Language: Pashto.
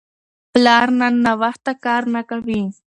پلار نن ناوخته کار نه کوي.